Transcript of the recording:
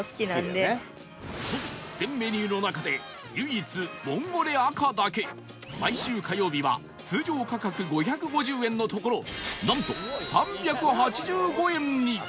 そう全メニューの中で唯一ボンゴレ赤だけ毎週火曜日は通常価格５５０円のところなんと３８５円に